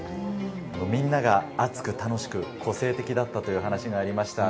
みんなが熱く、楽しく、個性的だったという話がありました。